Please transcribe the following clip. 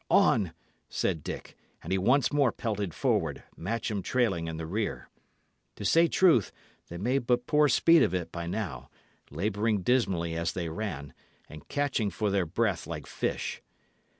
"On!" said Dick; and he once more pelted forward, Matcham trailing in the rear. To say truth, they made but poor speed of it by now, labouring dismally as they ran, and catching for their breath like fish.